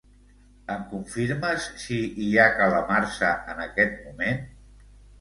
Em confirmes si hi ha calamarsa en aquest moment?